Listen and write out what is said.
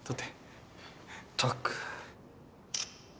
ったく。